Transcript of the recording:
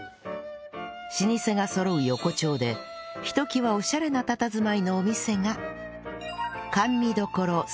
老舗がそろう横丁でひときわオシャレな佇まいのお店が